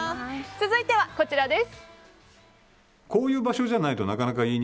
続いてはこちらです。